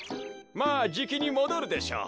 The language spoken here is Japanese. まあじきにもどるでしょう。